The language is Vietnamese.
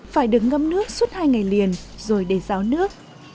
phải được ngâm nước suốt hai ngày liền rồi để ráo nước